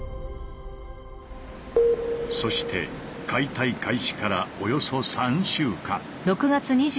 そして解体開始からおよそ３週間。